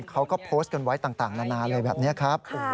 เขาก็โพสต์กันไว้ต่างนานาเลยแบบนี้ครับ